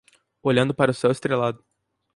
Olhando para o céu estrelado